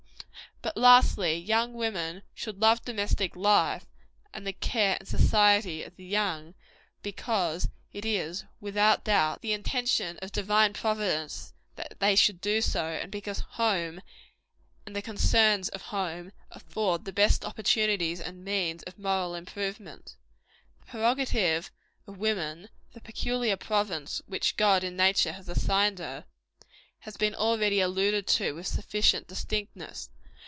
But, lastly, young women should love domestic life, and the care and society of the young, because it is, without doubt, the intention of Divine Providence that they should do so; and because home, and the concerns of home, afford the best opportunities and means of moral improvement. The prerogative of woman the peculiar province which God in nature has assigned her has been already alluded to with sufficient distinctness.